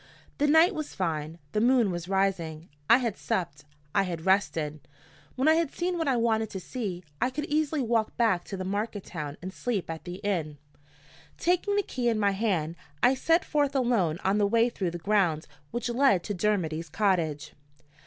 The night was fine, the moon was rising. I had supped; I had rested. When I had seen what I wanted to see, I could easily walk back to the market town and sleep at the inn. Taking the key in my hand, I set forth alone on the way through the grounds which led to Dermody's cottage.